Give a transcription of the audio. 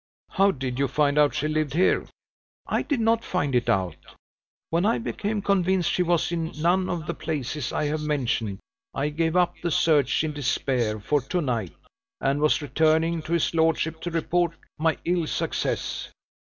"How did you find out she lived here?" "I did not find it out. When I became convinced she was in none of the places I have mentioned, I gave up the search in despair, for to night, and was returning to his lordship to report my ill success."